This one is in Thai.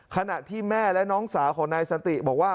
ขณะที่แม่และน้องสาวของนายสันติบอกว่า